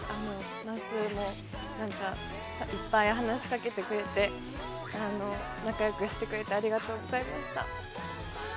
まっすーも、なんかいっぱい話しかけてくれて、仲よくしてくれて、ありがとうございました。